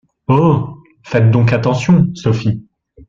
Oh ! faites donc attention, Sophie !